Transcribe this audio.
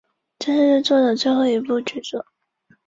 灰刻齿雀鲷为雀鲷科刻齿雀鲷属的鱼类。